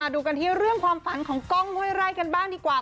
ดูกันที่เรื่องความฝันของกล้องห้วยไร่กันบ้างดีกว่า